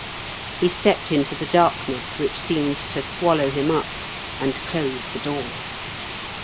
He stepped into the dark ness, which seemed to swallow him up, and closed the door.